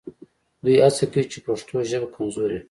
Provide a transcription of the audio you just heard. دوی هڅه کوي چې پښتو ژبه کمزورې کړي